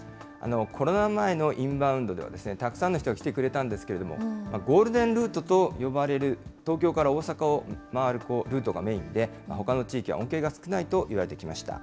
コロナ前のインバウンドではたくさんの人が来てくれたんですけれども、ゴールデンルートと呼ばれる、東京から大阪を回るルートがメインで、ほかの地域は恩恵が少ないといわれてきました。